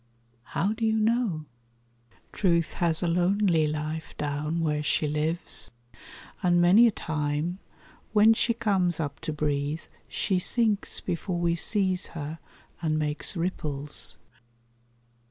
How do you know? Truth has a lonely life down where she lives; And many a time, when she comes up to breathe, She sinks before we seize her, and makes ripples.